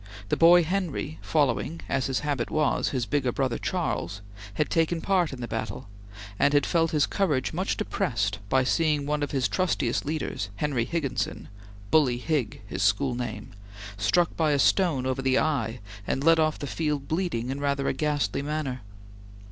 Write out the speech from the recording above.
The boy Henry, following, as his habit was, his bigger brother Charles, had taken part in the battle, and had felt his courage much depressed by seeing one of his trustiest leaders, Henry Higginson "Bully Hig," his school name struck by a stone over the eye, and led off the field bleeding in rather a ghastly manner.